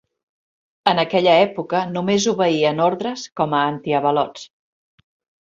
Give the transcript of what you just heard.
En aquella època, només obeïen ordres com a antiavalots.